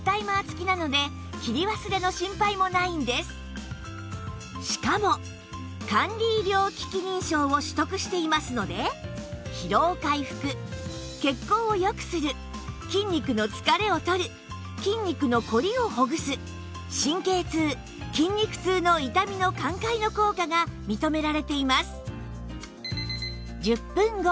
またしかも管理医療機器認証を取得していますので疲労回復血行をよくする筋肉の疲れをとる筋肉のこりをほぐす神経痛筋肉痛の痛みの緩解の効果が認められています